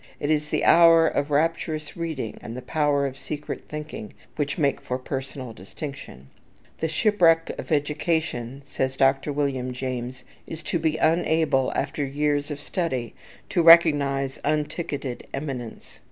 It is the hour of rapturous reading and the power of secret thinking which make for personal distinction. The shipwreck of education, says Dr. William James, is to be unable, after years of study, to recognize unticketed eminence.